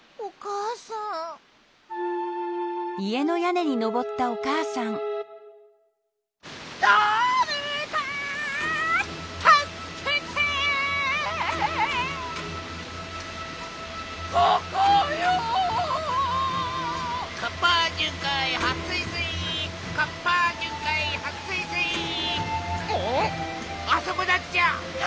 あそこだっちゃ！